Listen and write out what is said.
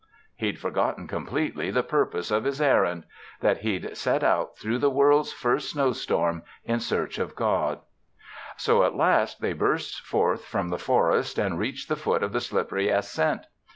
He'd forgotten completely the purpose of his errand that he'd set out through the world's first snowstorm in search of God. So at last they burst forth from the forest and reached the foot of the slippery ascent.